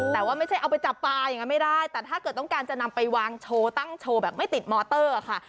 แต่ว่าไม่ใช่เอาไปจับปลาอย่างนั้นไม่ได้แต่ถ้าเกิดต้องการจะนำไปวางโชว์ตั้งโชว์แบบไม่ติดมอเตอร์ค่ะ